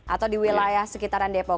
atau di wilayah sekitaran depok